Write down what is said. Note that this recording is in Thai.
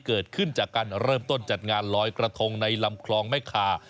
เกิดขึ้นจากการเริ่มต้นจัดงานลอยกระทงในลำคลองแม่คา